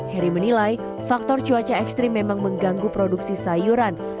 heri menilai faktor cuaca ekstrim memang mengganggu produksi sayuran